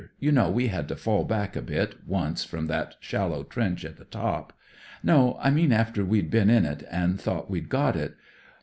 You know we had to fall back a bit, once, from that shallow trench at the top. No, I mean after we'd been in it, and thought we'd got it.